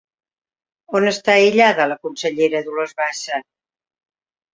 On està aïllada la consellera Dolors Bassa?